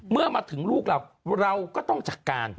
เมื่อมาถึงลูกเราเราก็ต้องจัดการ